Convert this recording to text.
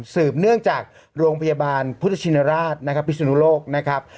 สืบเนื่องจากโรงพยาบาลพุทธชินราชนะครับพิศนุโลกนะครับ